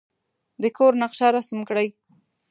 د کور نقشه رسم کړئ.